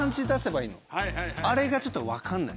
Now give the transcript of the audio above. あれがちょっと分かんない。